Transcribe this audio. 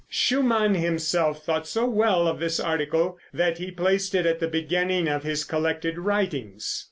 Schumann himself thought so well of this article that he placed it at the beginning of his collected writings.